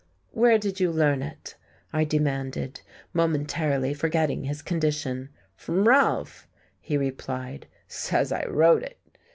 "Where did you learn it?" I demanded, momentarily forgetting his condition. "Fr'm Ralph," he replied, "says I wrote it.